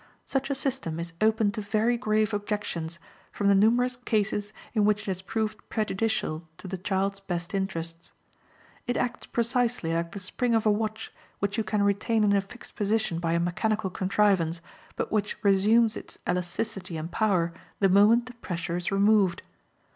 Such a system is open to very grave objections, from the numerous cases in which it has proved prejudicial to the child's best interests. It acts precisely like the spring of a watch, which you can retain in a fixed position by a mechanical contrivance, but which resumes its elasticity and power the moment the pressure is removed.